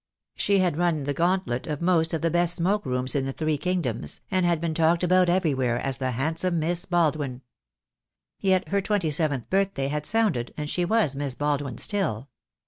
She had run the gauntlet of most of the best smoke rooms in the three kingdoms, and had been talked about everywhere as the handsome Miss Baldwin. Yet her twenty seventh birth day had sounded, and she was Miss Baldwin still.